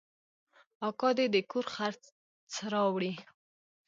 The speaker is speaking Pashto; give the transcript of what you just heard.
اکا دې د کور خرڅ راوړي.